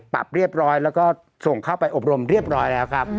ปรับเรียบร้อยแล้วก็ส่งเข้าไปอบรมเรียบร้อยแล้วครับ